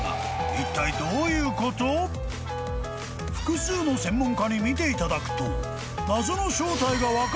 ［複数の専門家に見ていただくと］